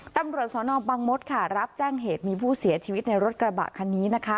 ตำรวจสนบังมดค่ะรับแจ้งเหตุมีผู้เสียชีวิตในรถกระบะคันนี้นะคะ